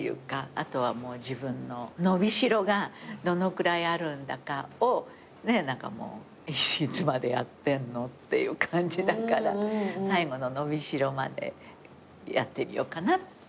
あとは自分の伸び代がどのくらいあるんだかをいつまでやってんのっていう感じだから最後の伸び代までやってみようかなっていう感じですね。